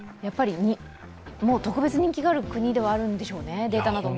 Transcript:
特別人気がある国ではあるんでしょうね。